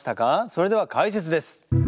それでは解説です。